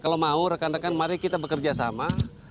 kalau mau rekan rekan mari kita bekerja sama